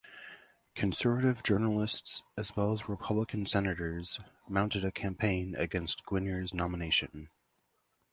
Conservative journalists, as well as Republican Senators, mounted a campaign against Guinier's nomination.